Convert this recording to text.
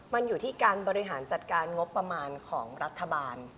มันอยู่ที่การบริหารจัดการงบประมาณของรัฐบาล